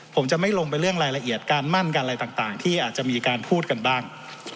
ผมจะไม่ลงไปเรื่องรายละเอียดการมั่นกันอะไรต่างที่อาจจะมีการพูดกันบ้าง